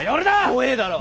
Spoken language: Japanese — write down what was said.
怖えだろ。